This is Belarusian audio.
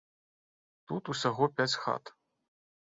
Тут усяго пяць хат.